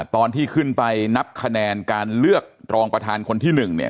ตอนที่ขึ้นไปนับคะแนนการเลือกรองประธานคนที่๑เนี่ย